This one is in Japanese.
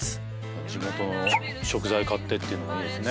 地元の食材買ってってもいいですね